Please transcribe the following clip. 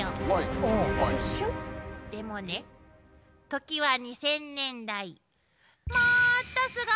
でもね時は２０００年代。